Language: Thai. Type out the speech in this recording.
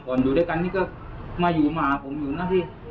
อยู่ด้วยกันนี่ก็มาอยู่มาหาผมอยู่นะพี่